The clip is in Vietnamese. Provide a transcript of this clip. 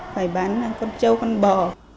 phải bán con trâu con bò